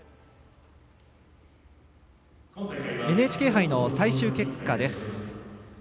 ＮＨＫ杯の最終結果です。